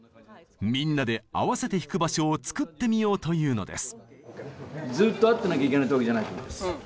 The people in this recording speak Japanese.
みんなで合わせて弾く場所を作ってみようというのです。